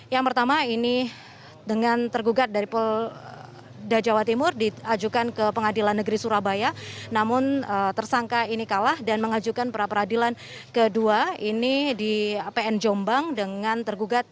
yang pertama ini dengan tergugat dari polda jawa timur diajukan ke pengadilan negeri surabaya namun tersangka ini kalah dan mengajukan pra peradilan kedua ini di pn jombang dengan tergugat